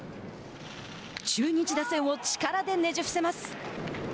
中日打線を力でねじ伏せます。